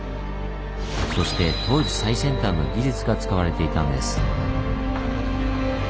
そして当時最先端の技術が使われていたんです。